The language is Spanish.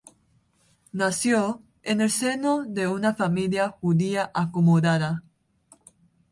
Nació en el seno de una familia judía acomodada.